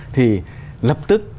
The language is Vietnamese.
thì lập tức